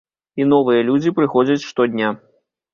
І новыя людзі прыходзяць штодня.